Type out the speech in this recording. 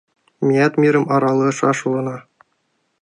Меат мирым аралышаш улына.